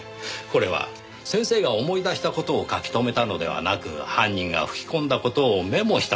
これは先生が思い出した事を書き留めたのではなく犯人が吹き込んだ事をメモしたんです。